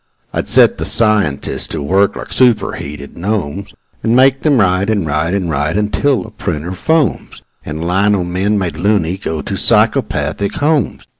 I'd set the scientists to work like superheated gnomes, And make them write and write and write until the printer foams And lino men, made "loony", go to psychopathic homes.